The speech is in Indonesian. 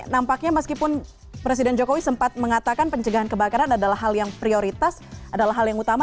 nampaknya meskipun presiden jokowi sempat mengatakan pencegahan kebakaran adalah hal yang prioritas adalah hal yang utama